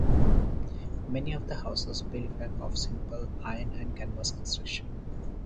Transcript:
Many of the houses built were of simple iron and canvas construction.